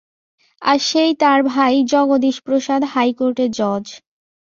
আর সেই তার ভাই জগদীশপ্রসাদ, হাইকোর্টের জজ।